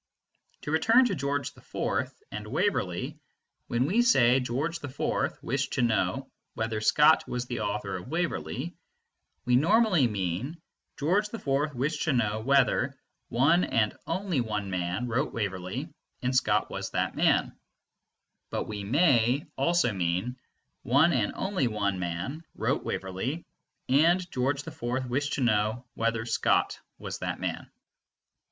To return to George IV and Waverley, when we say "George IV wished to know whether Scott was the author of Waverley," we normally mean "George IV wished to know whether one and only one man wrote Waverley and Scott was that man"; but we may also mean: "One and only one man wrote Waverley, and George IV wished to know whether Scott was that man."